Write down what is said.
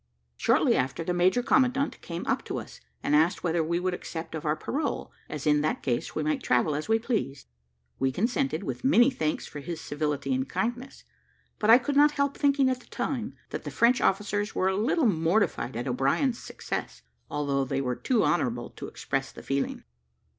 Shortly after, the major commandant came up to us, and asked whether we would accept of our parole, as, in that case, we might travel as we pleased. We consented, with many thanks for his civility and kindness; but I could not help thinking at the time, that the French officers were a little mortified at O'Brien's success, although they were too honourable to express the feeling.